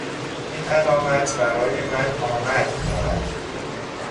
این علامت برای من آمد دارد.